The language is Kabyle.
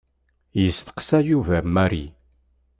Yesteqsa Yuba Mary.